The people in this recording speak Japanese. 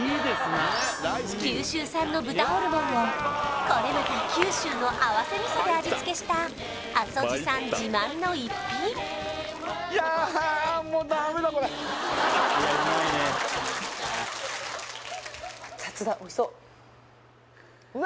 九州産の豚ホルモンをこれまた九州の合わせ味噌で味付けしたあそ路さん自慢の逸品いやいいね熱々だおいしそううわ